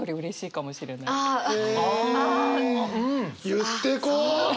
言ってこう！